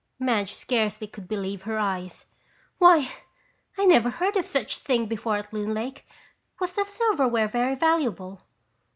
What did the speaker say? Madge scarcely could believe her eyes. "Why, I never heard of such a thing before at Loon Lake. Was the silverware very valuable?"